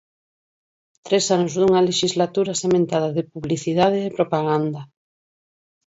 Tres anos dunha lexislatura sementada de publicidade e propaganda.